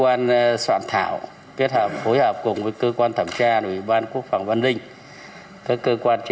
ban soạn thảo sẽ tiếp thu nghiêm túc các ý kiến của các đại biểu